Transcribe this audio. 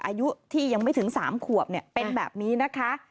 อายุที่ยังไม่ถึง๓ขวบเป็นแบบนี้นะคะ